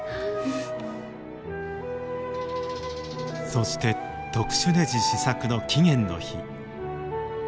そして特殊ねじ試作の期限の日。